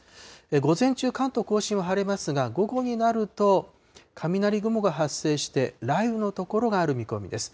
午前中、関東甲信は晴れますが、午後になると、雷雲が発生して、雷雨の所がある見込みです。